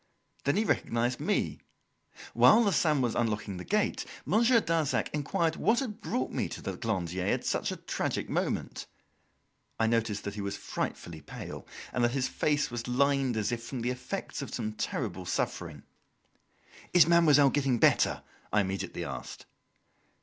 Then he recognised me. While Larsan was unlocking the gate, Monsieur Darzac inquired what had brought me to the Glandier at such a tragic moment. I noticed that he was frightfully pale, and that his face was lined as if from the effects of some terrible suffering. "Is Mademoiselle getting better?" I immediately asked.